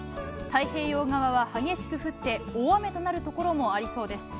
太平洋側は激しく降って、大雨となる所もありそうです。